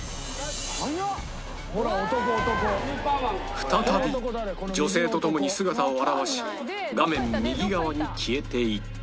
再び女性とともに姿を現し画面右側に消えていった